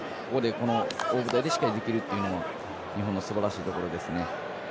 この大舞台でしっかりできるっていうのは日本のすばらしいところですね。